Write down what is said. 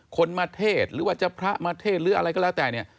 คนมาเทศหรือว่าจะพระมาเทศหรืออะไรก็แล้วแต่เนี่ย